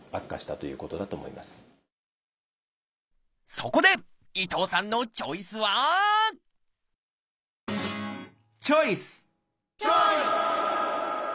そこで伊藤さんのチョイスはチョイス！